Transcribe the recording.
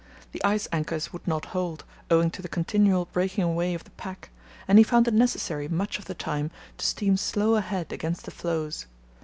The ice anchors would not hold, owing to the continual breaking away of the pack, and he found it necessary much of the time to steam slow ahead against the floes.